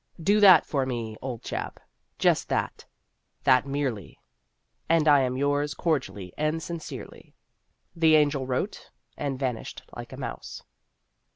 Do that for me, old chap; just that; that merely And I am yours, cordially and sincerely." The Angel wrote, and vanished like a mouse.